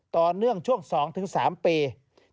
ต่อเนื่องช่วง๒๓ปี